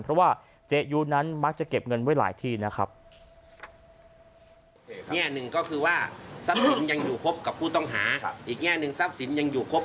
เพราะว่าเจยุนั้นมักจะเก็บเงินไว้หลายที่นะครับ